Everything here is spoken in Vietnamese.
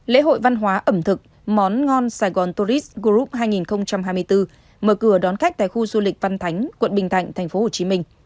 lễ hội văn hóa ẩm thực món ngon sài gòn tourist group hai nghìn hai mươi bốn mở cửa đón khách tại khu du lịch văn thánh quận bình thạnh tp hcm